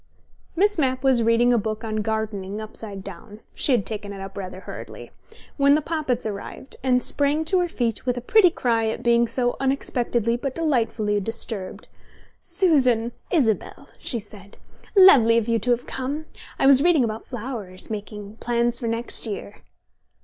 Miss Mapp was reading a book on gardening upside down (she had taken it up rather hurriedly) when the Poppits arrived, and sprang to her feet with a pretty cry at being so unexpectedly but delightfully disturbed. "Susan! Isabel!" she said. "Lovely of you to have come! I was reading about flowers, making plans for next year."